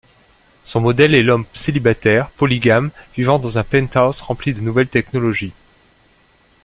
Son modèle est l'homme célibataire, polygame, vivant dans un penthouse rempli de nouvelles technologies.